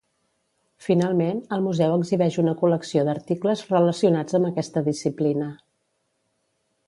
Finalment, el museu exhibeix una col·lecció d'articles relacionats amb aquesta disciplina.